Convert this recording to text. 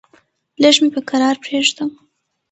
لږ مې په کرار پرېږده!